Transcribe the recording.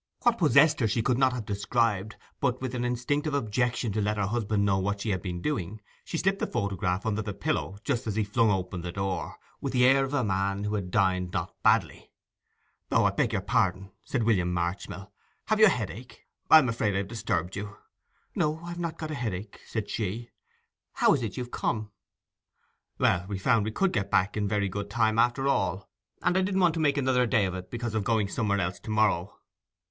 What possessed her she could not have described, but, with an instinctive objection to let her husband know what she had been doing, she slipped the photograph under the pillow just as he flung open the door, with the air of a man who had dined not badly. 'O, I beg pardon,' said William Marchmill. 'Have you a headache? I am afraid I have disturbed you.' 'No, I've not got a headache,' said she. 'How is it you've come?' 'Well, we found we could get back in very good time after all, and I didn't want to make another day of it, because of going somewhere else to morrow.